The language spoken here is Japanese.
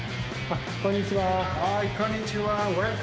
ハイこんにちは。